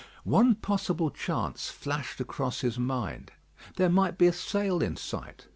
One possible chance flashed across his mind. There might be a sail in sight.